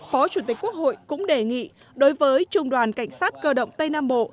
phó chủ tịch quốc hội cũng đề nghị đối với trung đoàn cảnh sát cơ động tây nam bộ